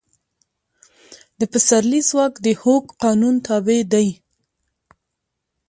د پسرلي ځواک د هوک قانون تابع دی.